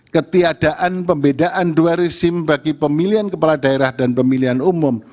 ketiadaan pembedaan dua resim bagi pemilihan kepala daerah dan pemilihan umum